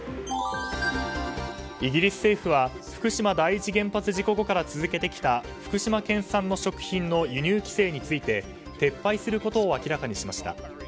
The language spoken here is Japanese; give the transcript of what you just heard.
イギリス政府は福島第一原発事故後から続けてきた福島県産の食品の輸入規制について撤廃することを明らかにしました。